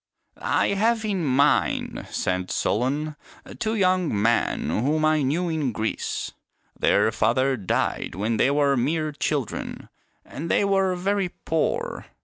" I have in mind," said Solon, " two young men whom I knew in Greece. Their father died when they were mere children, and they were very poor.